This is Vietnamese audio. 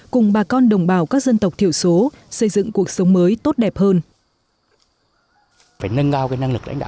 cùng bà con đồng bào các dân tộc thiểu số xây dựng cuộc sống mới tốt đẹp hơn